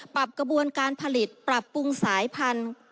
ปรับกระบวนการผลิตปรับปรุงสายพันธุ์